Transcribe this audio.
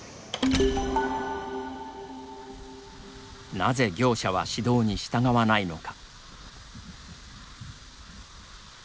なぜ業者は指導に従わないのか？